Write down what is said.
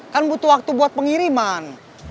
kan butuh waktu buat pengiriman